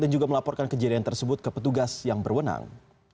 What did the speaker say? dan juga melaporkan kejadian tersebut ke petugas yang berwenang